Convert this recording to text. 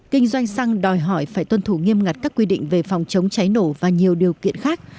kinh doanh xăng đòi hỏi phải tuân thủ nghiêm ngặt các quy định về phòng chống cháy nổ và nhiều điều kiện khác